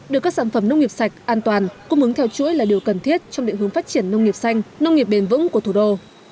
đưa các sản phẩm nông nghiệp sạch an toàn cung ứng theo chuỗi là điều cần thiết trong địa hướng phát triển nông nghiệp xanh nông nghiệp bền vững của thủ đô